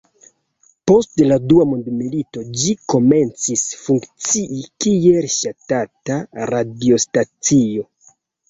Post la Dua Mondmilito ĝi komencis funkcii kiel ŝtata radiostacio.